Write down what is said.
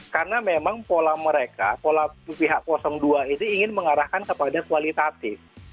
karena memang pola mereka pola pihak dua itu ingin mengarahkan kepada kualitatif